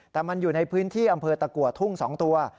แต่มันอยู่ในพื้นที่อำเภอตะกัวทุ่ง๒ตัว